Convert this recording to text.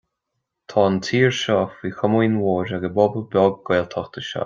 Tá an tír seo faoi chomaoin mhóir ag an bpobal beag Gaeltachta seo.